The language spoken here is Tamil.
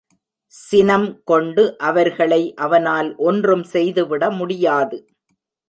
சினம் கொண்டு அவர்களை அவனால் ஒன்றும் செய்துவிட முடியாது.